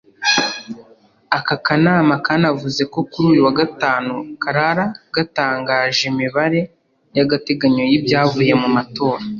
Aka kanama kanavuze ko kuri uyu wa gatanu karara gatangaje imibare y'agateganyo y'ibyavuye mu matora